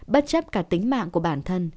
bất chấp cả tính mạng của bản thân